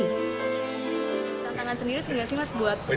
tantangan sendiri sih nggak sih mas buat penyelenggara tahun ini